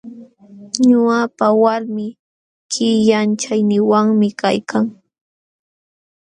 Ñuqapa walmi killachayninwanmi kaykan.